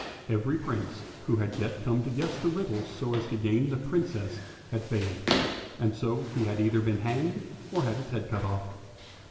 Every Prince who had yet come to guess the riddles so as to gain the Princess had failed, and so he had either been hanged or had his head cut off.